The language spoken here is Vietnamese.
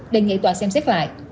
để nghị tòa xem xét lại